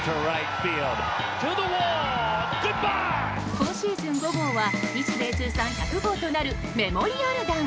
今シーズン５号は日米通算１００号となるメモリアル弾。